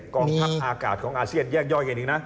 กองทัพอากาศของอาเซียนแยกย่อยกันอีกนะ